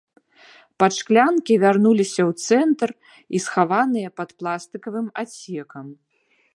Падшклянкі вярнуліся ў цэнтр і схаваныя пад пластыкавым адсекам.